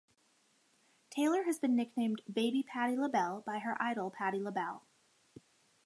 Taylor has been nicknamed "Baby Patti LaBelle" by her idol Patti LaBelle.